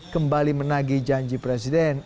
kembali menagi janji presiden